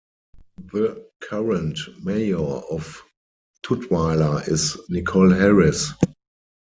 The current mayor of Tutwiler is Nichole Harris.